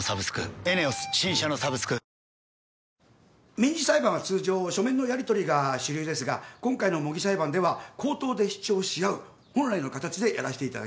民事裁判は通常書類のやりとりが主流ですが今回の模擬裁判では口頭で主張し合う本来の形でやらしていただきますね。